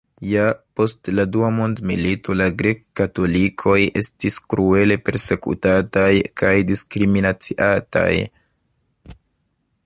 Ja post la dua mondmilito la grek-katolikoj estis kruele persekutataj kaj diskriminaciataj.